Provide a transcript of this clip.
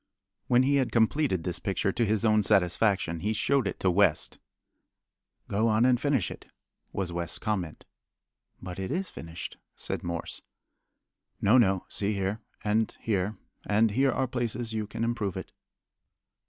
When he had completed this picture to his own satisfaction, he showed it to West. "Go on and finish it," was West's comment. "But it is finished," said Morse. "No, no. See here, and here, and here are places you can improve it."